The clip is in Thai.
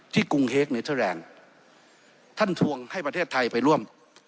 ที่กรุงเฮกในแทรงท่านทวงให้ประเทศไทยไปร่วม